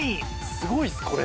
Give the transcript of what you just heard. すごいですこれ。